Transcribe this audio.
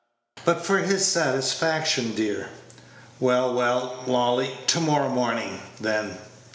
"But for his satisfaction, dear." "Well, well, Lolly, to morrow morning, then."